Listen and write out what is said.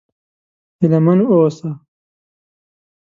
هيله من و اوسه!